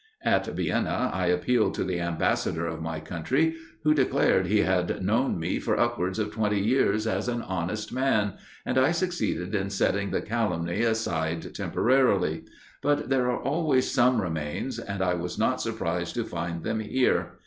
At Vienna I appealed to the ambassador of my country, who declared he had known me for upwards of twenty years as an honest man, and I succeeded in setting the calumny aside temporarily; but there are always some remains, and I was not surprised to find them here.